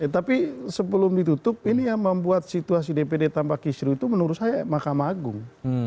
tapi sebelum ditutup ini yang membuat situasi dpd tanpa kisru itu menurut saya mahkamah agung